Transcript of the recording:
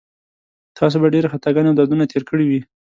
تاسو به ډېرې خطاګانې او دردونه تېر کړي وي.